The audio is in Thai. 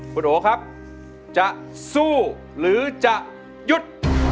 คุณโอครับจะสู้หรือจะหยุด